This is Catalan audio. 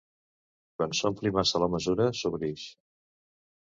Quan s'ompli massa la mesura, sobreïx.